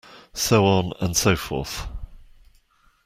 So on and so forth.